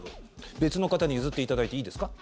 別の方に譲っていただいていいですか？